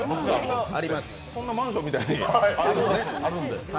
そんなマンションみたいにあるんですね。